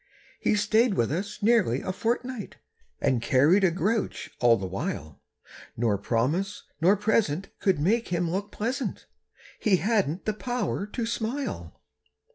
He stayed with us nearly a fortnight And carried a grouch all the while, Nor promise nor present could make him look pleasant; He hadn't the power to smile.